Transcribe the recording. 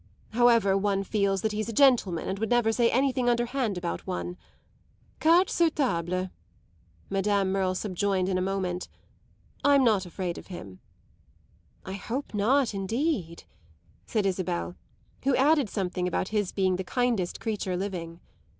However, one feels that he's a gentleman and would never say anything underhand about one. Cartes sur table," Madame Merle subjoined in a moment, "I'm not afraid of him." "I hope not indeed," said Isabel, who added something about his being the kindest creature living.